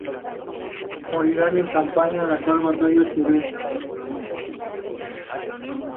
Moriría en campaña en la Batalla de Teruel.